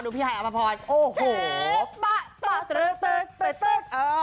ดูพี่ไฮอัพพอร์ตโอ้โห